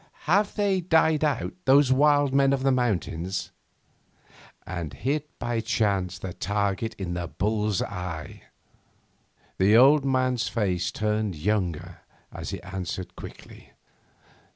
Have they died out, those wild men of the mountains?' And hit by chance the target in the bull's eye. The old man's face turned younger as he answered quickly.